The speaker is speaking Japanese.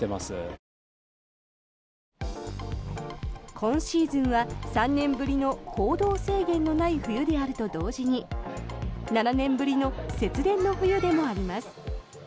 今シーズンは３年ぶりの行動制限のない冬であると同時に７年ぶりの節電の冬でもあります。